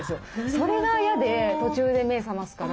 それが嫌で途中で目覚ますから。